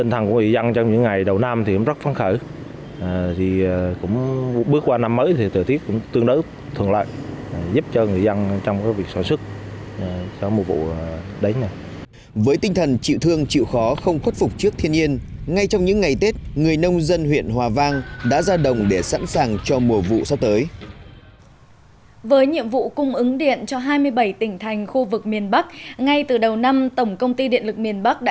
tranh thủ thời tiết thuận lợi những ngày đầu năm người nông dân trên địa bàn huyện hòa vang đã ra đồng trở lại từ rất sớm